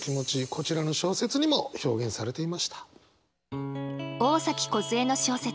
こちらの小説にも表現されていました。